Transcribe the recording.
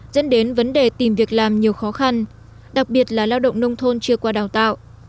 dẫn đến vấn đề tìm việc làm nhiều khó khăn đặc biệt là lao động nông thôn chưa qua đào tạo